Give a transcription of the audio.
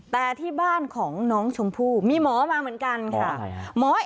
แต่ที่บ้านของน้องชมพู่มีหมอมาเหมือนกันค่ะ